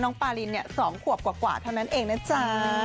น้องปารินเนี่ยสองขวบกว่าเท่านั้นเองนะจ๊ะ